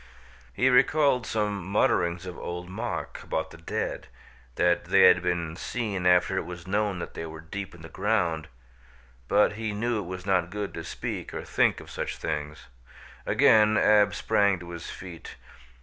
He recalled some mutterings of Old Mok about the dead, that they had been seen after it was known that they were deep in the ground, but he knew it was not good to speak or think of such things. Again Ab sprang to his feet.